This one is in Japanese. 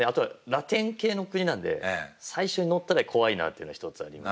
ラテン系の国なので最初に乗ったら怖いなというのは一つありますね。